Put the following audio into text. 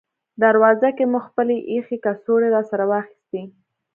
دروازه کې مو خپلې اېښې کڅوړې راسره واخیستې.